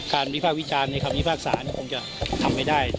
อ่าการภูมิภาควิจารณ์ในความภูมิภาคศาลนี่คงจะทำไม่ได้